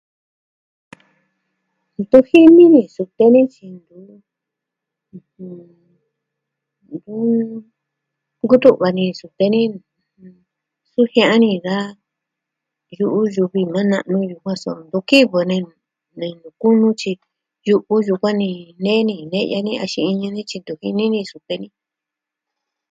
Ntu jini ni sute ni tyi ntu... nkutu'va ni sute ni sujiaa ni da yu'u yuvi maa na'nu yukuan so ntu kivɨ ni ne'i nuku nu tyi yu'u yukuan ni nee ni ne'ya ni axin iñɨ nityi ntu jini ni sute ni.